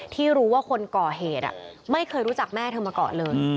ที่รู้ว่าคนก่อเหตุไม่เคยรู้จักแม่เธอมาก่อนเลย